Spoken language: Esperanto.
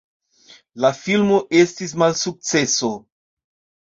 La filmo estis malsukceso.